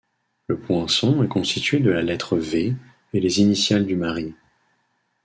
Le poinçon est constitué de la lettre V et les initiales du mari.